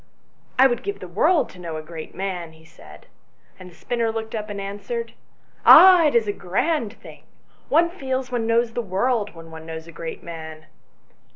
" I would give the world to know a great man," he said, and the spinner looked up and answered "Ah! it is a grand thing; one feels one knows the world when one knows a great man."